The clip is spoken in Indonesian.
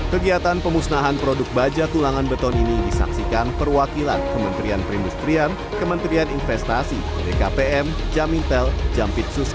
kegiatan pemusnahan produk baja tulangan beton ini disaksikan perwakilan kementerian perindustrian kementerian investasi bkpm jamintel jampitsus